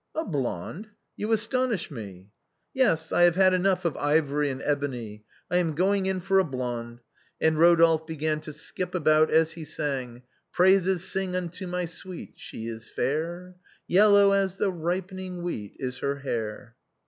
"A blonde? You astonish me." " Yes, I have had enough of ivory and ebony ; I am going in for a blonde," and Eodolphe began to skip about as he sang: " Praises sing unto my sweet. She is fair; Yellow as the ripening wheat Is her hair."